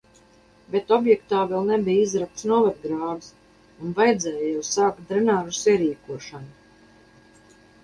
Bet objektā vēl nebija izrakts novadgrāvis un vajadzēja jau sākt drenāžas ierīkošanu.